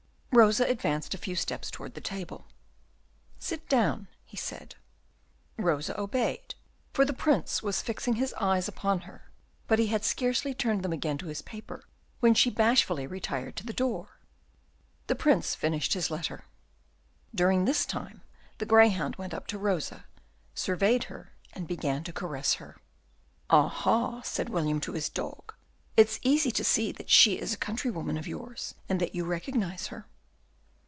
Rosa advanced a few steps towards the table. "Sit down," he said. Rosa obeyed, for the Prince was fixing his eyes upon her, but he had scarcely turned them again to his paper when she bashfully retired to the door. The Prince finished his letter. During this time, the greyhound went up to Rosa, surveyed her and began to caress her. "Ah, ah!" said William to his dog, "it's easy to see that she is a countrywoman of yours, and that you recognise her."